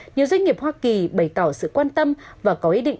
nhiều doanh nghiệp hoa kỳ bày tỏ sự quan tâm và có ý định